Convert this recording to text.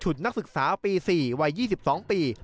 นักศึกษาปี๔วัย๒๒ปี